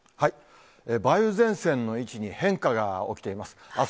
梅雨前線の位置に変化が起きています。